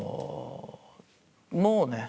もうね